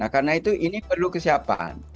karena itu ini perlu kesiapan